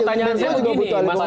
pertanyaannya juga butuh alih balik